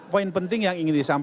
poin penting yang ingin disampaikan